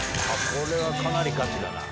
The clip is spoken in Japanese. これはかなりガチだな。